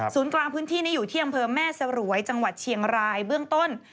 กลางพื้นที่นี้อยู่ที่อำเภอแม่สรวยจังหวัดเชียงรายเบื้องต้น